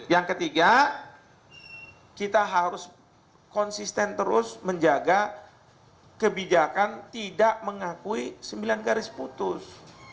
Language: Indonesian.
yang ketiga kita harus konsisten terus menjaga kebijakan tidak mengakui sembilan garis putus